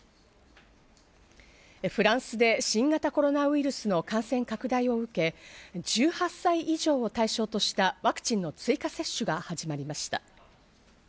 フランスで新型コロナウイルスの感染拡大を受け、１８歳以上を対象としたワクチンの追加接種が始まりました。